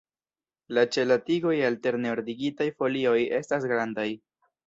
La ĉe la tigoj alterne ordigitaj folioj estas grandaj.